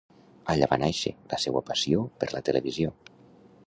Allà va nàixer la seua passió per la televisió.